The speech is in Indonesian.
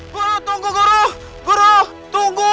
guru guru tunggu guru guru tunggu